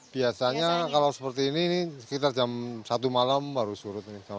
biasanya kalau seperti ini sekitar jam satu malam baru surut